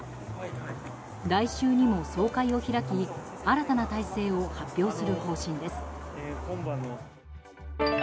来週にも総会を開き新たな体制を発表する方針です。